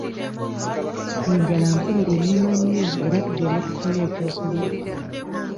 Enjala mpulira ennuma nnyo era tugende tufune ekyokulya.